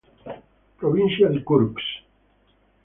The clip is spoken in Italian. Provincia di Kursk